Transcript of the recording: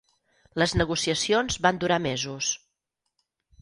Les negociacions van durar mesos.